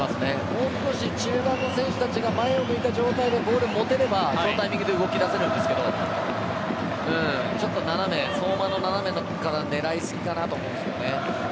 もう少し中盤の選手たちが前を向いた状態でボールを持てればそのタイミングで動き出せるんですがちょっと相馬の斜めから狙い過ぎかなと思います。